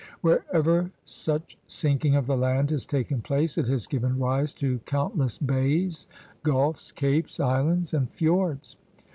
Wherever such sinking of the land has taken place, it has given rise to countless bays, gulfs, capes, islands, and fiords.